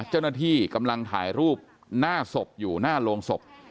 เจ้าหน้าที่กำลังถ่ายรูปหน้าศพอยู่หน้าโรงศพ